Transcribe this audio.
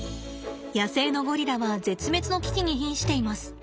野生のゴリラは絶滅の危機にひんしています。